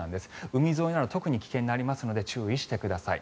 海沿いなど特に危険になりますので注意してください。